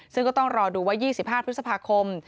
ซึ่งก็ต้องรอดูว่า๒๕พฤษภาคม